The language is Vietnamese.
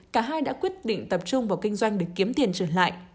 cả hai đã quyết định tập trung vào kinh doanh để kiếm tiền trở lại